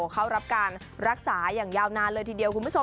เข้ารับการรักษาอย่างยาวนานเลยทีเดียวคุณผู้ชม